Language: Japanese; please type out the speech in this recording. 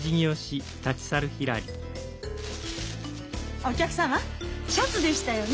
あお客様シャツでしたよね。